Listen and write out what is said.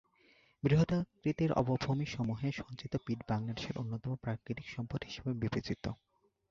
বৃহদাকৃতির অবভূমিসমূহে সঞ্চিত পিট বাংলাদেশের একটি অন্যতম প্রাকৃতিক সম্পদ হিসেবে বিবেচিত।